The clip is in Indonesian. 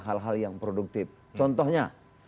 hal hal yang produktif contohnya